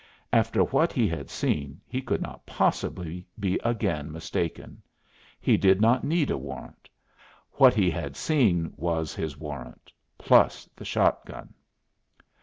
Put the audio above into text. After what he had seen he could not possibly be again mistaken. He did not need a warrant. What he had seen was his warrant plus the shotgun.